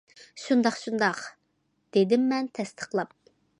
— شۇنداق، شۇنداق،— دېدىممەن تەستىقلاپ.